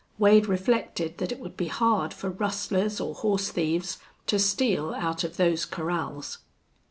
Wade reflected that it would be hard for rustlers or horse thieves to steal out of those corrals.